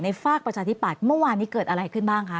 ฝากประชาธิปัตย์เมื่อวานนี้เกิดอะไรขึ้นบ้างคะ